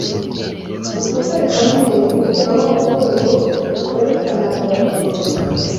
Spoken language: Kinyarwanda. ikosa rikomeye gukuraho urwego rwerekanaga ubuyobozi